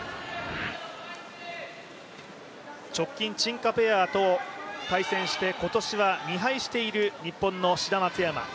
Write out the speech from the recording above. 直近、陳・賈ペアと対戦して、２敗している日本の志田・松山。